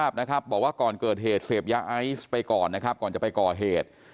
บอกว่าก่อนเกิดเหตุเสพยาไอซ์ไปก่อนนะครับก่อนจะไปก่อเหตุ